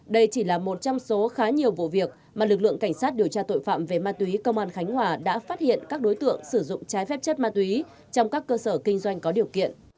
đây chỉ là một trong số khá nhiều vụ việc mà lực lượng cảnh sát điều tra tội phạm về ma túy công an khánh hòa đã phát hiện các đối tượng sử dụng trái phép chất ma túy trong các cơ sở kinh doanh có điều kiện